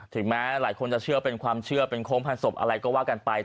แม้หลายคนจะเชื่อเป็นความเชื่อเป็นโค้งพันศพอะไรก็ว่ากันไป